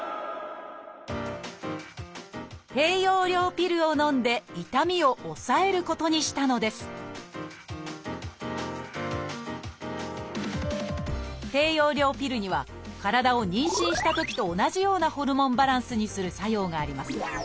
低用量ピルをのんで痛みを抑えることにしたのです低用量ピルには体を妊娠したときと同じようなホルモンバランスにする作用があります。